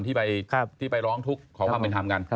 ที่ไปร้องทุกข์ขอความเป็นธรรมกัน